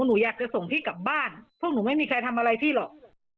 หนูอยากจะส่งพี่กลับบ้านพวกหนูไม่มีใครทำอะไรพี่หรอก